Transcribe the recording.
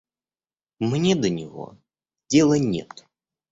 Мне до него дела нет.